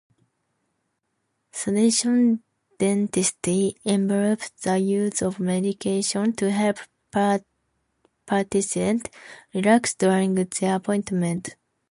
Sedation dentistry involves the use of medication to help patients relax during their appointment.